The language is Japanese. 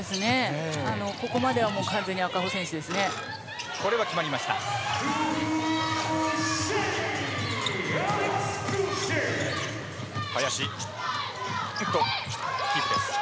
ここまでは完全に赤穂選手ですね。